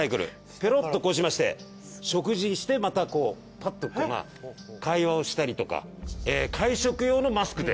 ペロッとこうしまして食事してまたこうパッと会話をしたりとか会食用のマスクで。